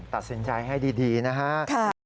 ตัดสินใจให้ดีนะครับ